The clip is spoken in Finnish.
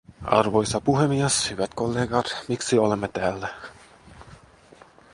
Arvoisa puhemies, hyvät kollegat, miksi olemme täällä?